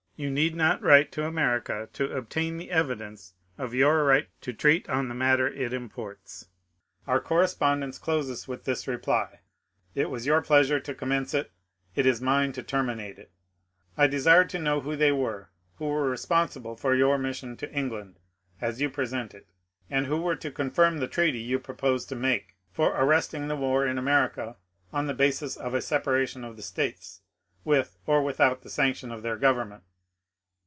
You need not write to America, to " obtain the evidence " of your right to treat on the matter it imports. Our corre spondence closes with this reply — it was your pleasure to commence it — it is mine to terminate it I desired to know who they were, who were responsible for your mission to England, as you present it ; and who were to confirm the treaty you proposed to make, for arresting the war in America, on the basis of a separation of the States, with, or without, the sanction of their government.